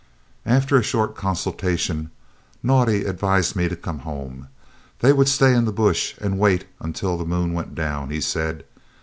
"After a short consultation, Naudé advised me to come home. They would stay in the bush and wait until the moon went down, he said.